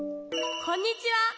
こんにちは。